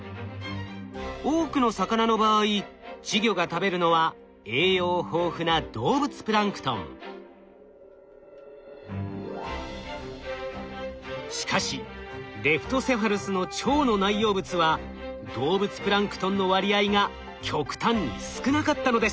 多くの魚の場合稚魚が食べるのは栄養豊富なしかしレプトセファルスの腸の内容物は動物プランクトンの割合が極端に少なかったのです。